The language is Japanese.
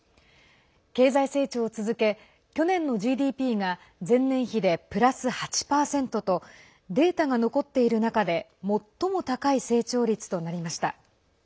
経済成長を続け、去年のＧＤＰが前年比でプラス８％とデータが残っている中で最も高い成長率となりました。